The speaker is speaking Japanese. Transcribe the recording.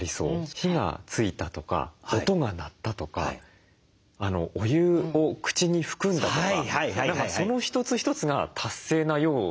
火がついたとか音が鳴ったとかお湯を口に含んだとかその一つ一つが達成なような。